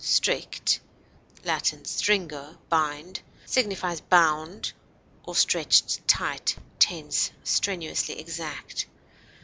Strict (L. stringo, bind) signifies bound or stretched tight, tense, strenuously exact.